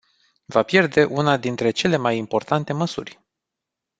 Va pierde una dintre cele mai importante măsuri.